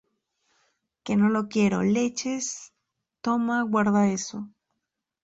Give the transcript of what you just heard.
que no lo quiero, leches. toma, guarda eso.